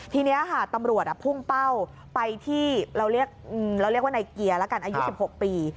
ทีนี้ค่ะตำรวจพุ่งเป้าไปที่เราเรียกว่าในเกียร์แล้วกันอายุ๑๖ปี